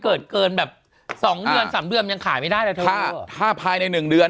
เกิดเกินแบบ๒เดือน๓เดือนยังขายไม่ได้ถ้าภายใน๑เดือน